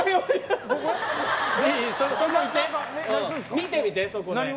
見てみて、そこで。